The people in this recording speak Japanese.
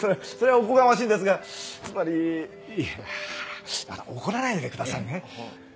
おこがましいんですがつまりいやぁあの怒らないでくださいね？